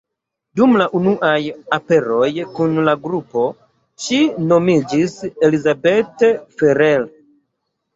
Dum la unuaj aperoj kun la grupo, ŝi nomiĝis Elisabeth Ferrer.